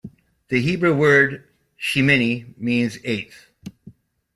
The Hebrew word "shemini" means "eighth.